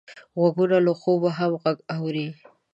غوږونه له خوبه هم غږ اوري